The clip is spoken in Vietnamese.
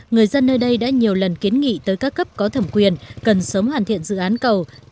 người dân nơi đây đã nhiều lần kiến nghị tới các cấp có thẩm quyền cần sớm hoàn thiện dự án cầu